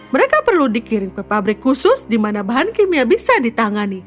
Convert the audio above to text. mereka perlu dikirim ke pabrik khusus di mana bahan kimia bisa ditangani